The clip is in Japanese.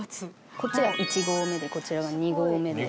こっちが１号目でこちらが２号目です。